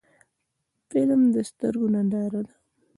فلم د سترګو ننداره ده